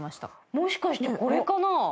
もしかしてこれかな？